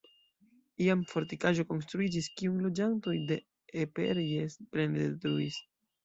Iam fortikaĵo konstruiĝis, kiun loĝantoj de Eperjes plene detruis.